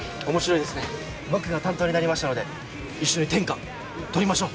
僕が担当になりましたので一緒に天下取りましょう！